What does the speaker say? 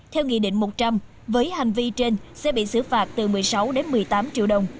theo nghị định một trăm linh với hành vi trên xe bị xử phạt từ một mươi sáu đến một mươi tám triệu đồng